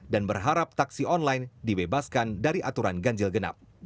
dan berharap taksi online dibebaskan dari aturan ganjil genap